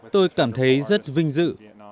tôi cảm thấy rất vinh dự